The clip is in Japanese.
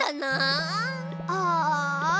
ああ。